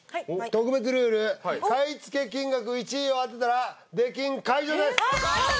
特別ルール買い付け金額１位を当てたら出禁解除ですあっ